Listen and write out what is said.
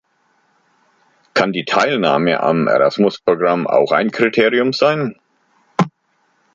Kann die Teilnahme am Erasmus-Programm auch ein Kriterium sein?